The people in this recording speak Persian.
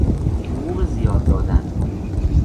حقوق زیاد دادن